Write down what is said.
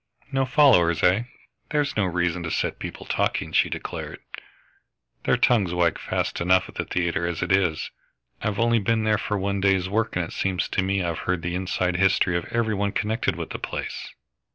"No followers, eh?" "There's no reason to set people talking," she declared. "Their tongues wag fast enough at the theatre, as it is. I've only been there for one day's work, and it seems to me I've heard the inside history of every one connected with the place."